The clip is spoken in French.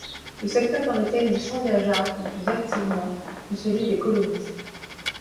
Le secteur dans lequel il s’engagea le plus activement fut celui des colonies.